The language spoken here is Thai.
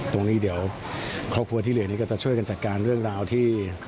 ตรงนี้เดี๋ยวครอบครัวที่เหลือนี้ก็จะช่วยกันจัดการเรื่องราวที่